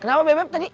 kenapa bebek tadi